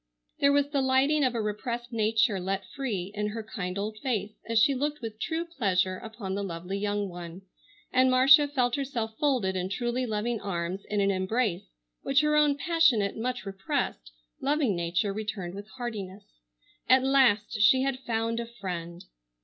There was the lighting of a repressed nature let free in her kind old face as she looked with true pleasure upon the lovely young one, and Marcia felt herself folded in truly loving arms in an embrace which her own passionate, much repressed, loving nature returned with heartiness. At last she had found a friend!